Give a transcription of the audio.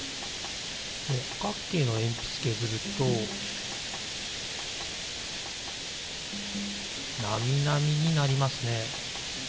六角形のえんぴつけずるとナミナミになりますね。